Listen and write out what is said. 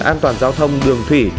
an toàn giao thông đường thủy